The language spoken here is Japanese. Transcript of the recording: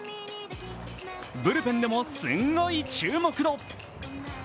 ブルペンでもすんごい注目度。